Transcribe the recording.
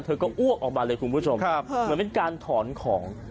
เธอก็อ้วกออกมาเลยคุณผู้ชมเหมือนเป็นการถอนของ